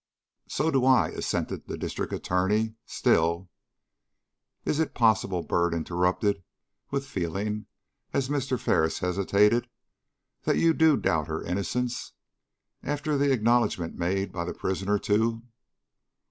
"So do I," assented the District Attorney; "still " "Is it possible," Byrd interrupted, with feeling, as Mr. Ferris hesitated, "that you do doubt her innocence? After the acknowledgments made by the prisoner too?"